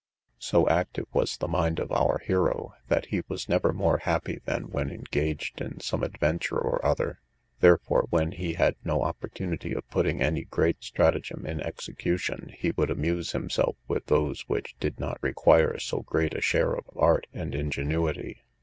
So active was the mind of our hero, that he was never more happy than when engaged in some adventure or other; therefore, when he had no opportunity of putting any great stratagem in execution, he would amuse himself with those which did not require so great a share of art and ingenuity.